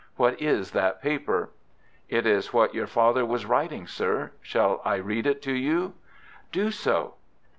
What is that paper?" "It is what your father was writing, sir. Shall I read it to you?" "Do so."